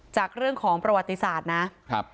จากเรื่องของประวัติศาสตร์นะครับ